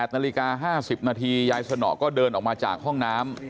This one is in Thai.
นาฬิกา๕๐นาทียายสนอก็เดินออกมาจากห้องน้ำ